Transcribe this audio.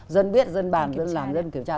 dân biết dân bàn dân làm dân kiểm tra